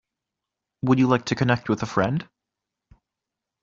Would you like to connect with a friend?